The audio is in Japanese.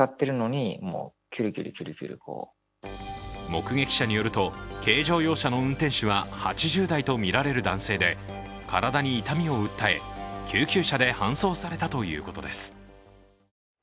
目撃者によると軽乗用車の運転手は８０代とみられる男性で体に痛みを訴え救急車で搬送されたということです。